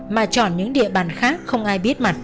mà chọn những địa bàn khác không ai biết mặt